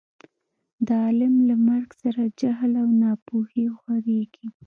د عالم له مرګ سره جهل او نا پوهي خورېږي.